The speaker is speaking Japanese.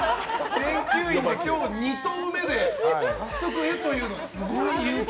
研究員で、今日２投目で早速絵というのはすごい勇気。